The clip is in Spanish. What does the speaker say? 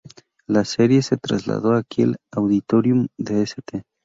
La serie se trasladó al Kiel Auditorium de St.